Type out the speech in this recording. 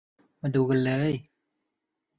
มาดูกันเลย